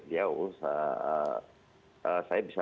beliau saya bisa